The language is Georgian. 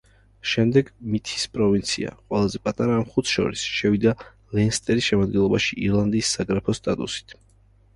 შემდეგ მითის პროვინცია, ყველაზე პატარა ამ ხუთს შორის, შევიდა ლენსტერის შემადგენლობაში ირლანდიის საგრაფოს სტატუსით.